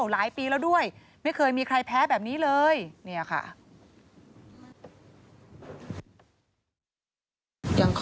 หลายปีแล้วด้วยไม่เคยมีใครแพ้แบบนี้เลยเนี่ยค่ะ